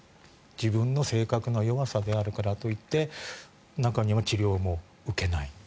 自分の性格の弱さであるからといって中には治療も受けない。